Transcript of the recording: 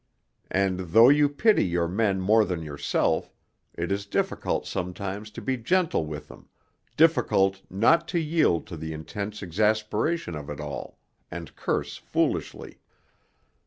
And though you pity your men more than yourself, it is difficult sometimes to be gentle with them, difficult not to yield to the intense exasperation of it all, and curse foolishly....